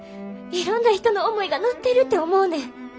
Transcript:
いろんな人の思いが乗ってるて思うねん。